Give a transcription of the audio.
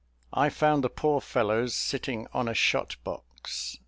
I found the poor fellows sitting on a shot box.